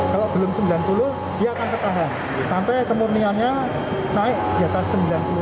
kalau belum sembilan puluh dia akan ketahan sampai kemurniannya naik di atas sembilan puluh